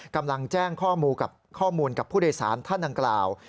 กำลังแจ้งข้อมูลกับผู้โดยสารท่านดังกล่าว